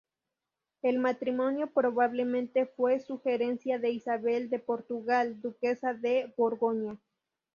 El matrimonio probablemente fue sugerencia de Isabel de Portugal, duquesa de Borgoña.